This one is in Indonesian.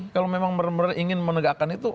kalau memang benar benar ingin menegakkan itu